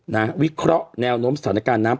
วิเคราะห์แนวโน้มสถานการณ์น้ำ